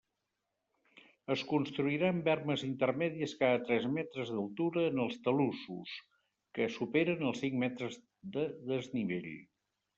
Es construiran bermes intermèdies cada tres metres d'altura en els talussos que superen els cinc metres de desnivell.